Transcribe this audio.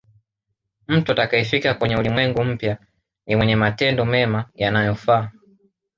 mtu atakayefika kwenye ulimwengu mpya ni mwenye matendo mema yanayofaa